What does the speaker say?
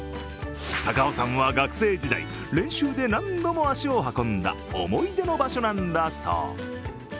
高尾山は学生時代、練習で何度も足を運んだ思い出の場所なんだそう。